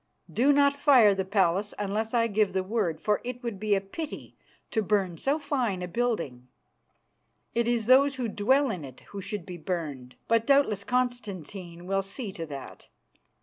Do not fire the palace unless I give the word, for it would be a pity to burn so fine a building. It is those who dwell in it who should be burned; but doubtless Constantine will see to that.